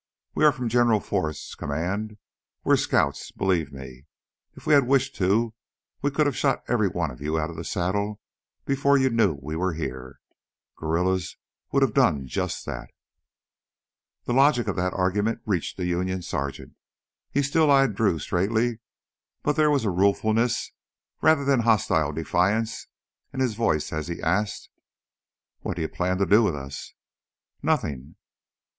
We are from General Forrest's command. We're scouts. Believe me, if we had wished to, we could have shot every one of you out of the saddle before you knew we were here. Guerrillas would have done just that." The logic of that argument reached the Union sergeant. He still eyed Drew straightly, but there was a ruefulness rather than hostile defiance in his voice as he asked: "What do you plan to do with us?" "Nothing."